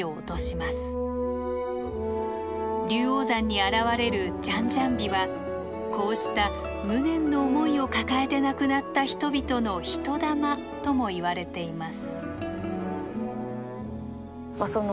龍王山に現れるじゃんじゃん火はこうした無念の思いを抱えて亡くなった人々の「人魂」ともいわれています。